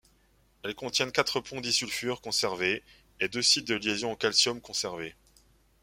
Elle contiennent quatre ponts disulfure conservés et deux sites de liaison au calcium conservés.